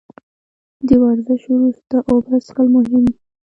د ورزش وروسته اوبه څښل مهم دي